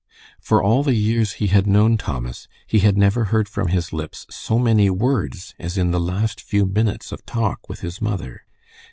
For all the years he had known Thomas he had never heard from his lips so many words as in the last few minutes of talk with his mother.